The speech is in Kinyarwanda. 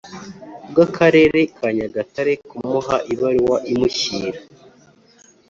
bw Akarere ka Nyagatare kumuha ibaruwa imushyira